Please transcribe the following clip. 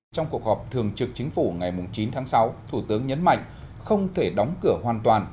trong cuộc họp thường trực chính phủ ngày chín tháng sáu thủ tướng nhấn mạnh không thể đóng cửa hoàn toàn